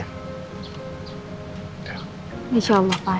insya allah pak